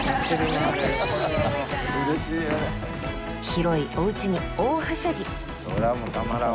広いおうちに大はしゃぎ！